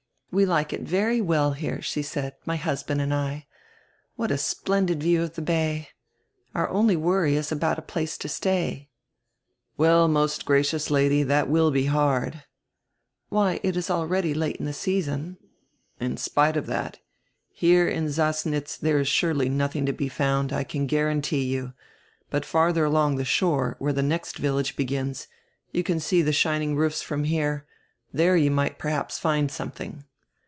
"We like it very well here," she said, "my husband and I. What a splendid view of die bay! Our only worry is about a place to stay." "Well, most gracious Lady, diat will be hard." "Why, it is already late in die season." "In spite of that. Here in Sassnitz diere is surely nothing to be found, I can guarantee you. But fardier along the shore, where the next village begins — you can see die shining roofs from here — there you might perhaps find some tiling."